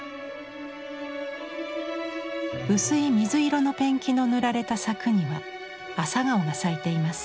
薄い水色のペンキの塗られた柵には朝顔が咲いています。